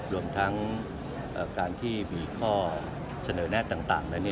รวมทั้งการที่มีข้อเสนอแน่ต่าง